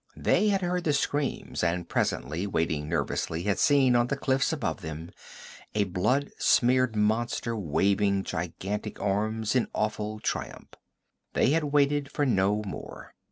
They had heard the screams, and presently, waiting nervously, had seen, on the cliff above them, a blood smeared monster waving gigantic arms in awful triumph. They had waited for no more.